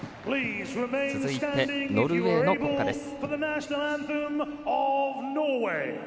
続いて、ノルウェーの国歌です。